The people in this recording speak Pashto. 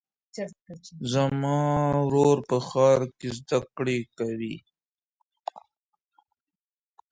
زما ورور په ښار کې زده کړې کوي.